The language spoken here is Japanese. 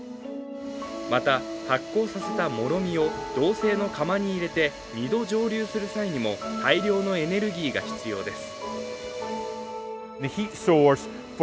また、発酵させたもろみを銅製の釜に入れて２度、蒸留する際にも大量のエネルギーが必要です。